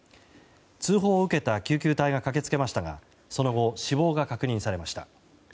通報を受けた救急隊が駆け付けましたがその後、死亡が確認されました。